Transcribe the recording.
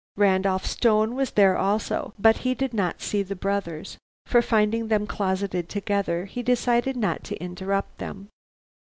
Randolph Stone was there also, but he did not see the brothers, for finding them closeted together, he decided not to interrupt them.